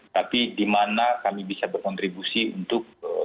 tapi di mana kami bisa berkontribusi untuk